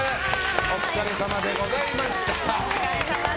お疲れさまでございました。